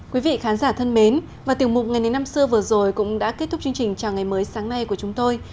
quý vị khán giả thân mến và tiểu mục ngày đến năm xưa vừa rồi cũng đã kết thúc chương trình chào ngày mới sáng nay của chúng tôi